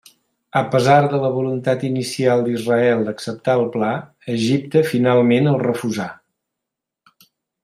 A pesar de la voluntat inicial d'Israel d'acceptar el pla, Egipte finalment el refusà.